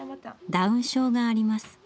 ダウン症があります。